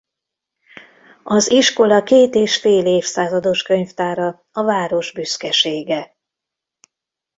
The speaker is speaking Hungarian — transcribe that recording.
Az iskola két és fél évszázados könyvtára a város büszkesége.